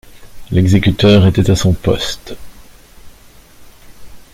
L'exécuteur était à son poste.